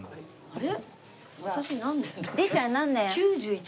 あれ？